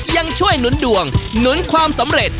ยังช่วยหนุนดวงหนุนความสำเร็จ